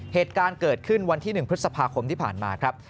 เหตุการณ์เกิดขึ้นวันที่๑พฤษภาคมที่ผ่านมาครับ